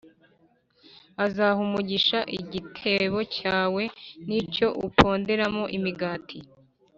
“Azaha umugisha igitebo cyawe n’icyo uponderamo imigati.